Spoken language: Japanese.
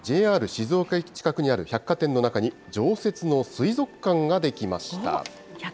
ＪＲ静岡駅近くにある百貨店の中に、常設の水族館が出来ました。